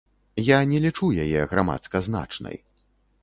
Я не лічу яе грамадска значнай.